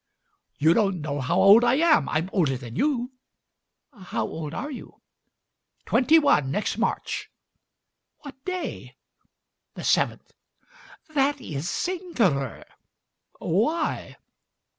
"You don't know how old I am. I'm older than you!" "How old are you?" "Twenty one next March." "What day?" "The seventh." "That is singular!" "Why?"